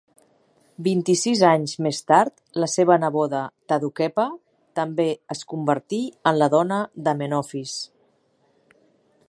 Vint-i-sis anys més tard, la seva neboda Tadukhepa també es convertí en la dona d'Amenofis.